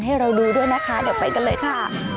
ให้เราดูด้วยนะคะเดี๋ยวไปกันเลยค่ะ